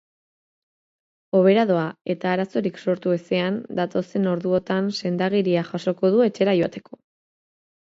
Hobera doa eta arazorik sortu ezean datozen orduotan sendagiria jasoko du etxera joateko.